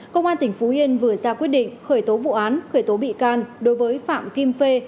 công an tỉnh phú yên vừa ra quyết định khởi tố vụ án khởi tố bị can đối với phạm kim phê